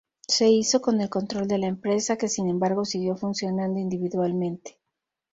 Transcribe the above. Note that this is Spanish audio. Se hizo con el control de la empresa, que sin embargo siguió funcionando individualmente.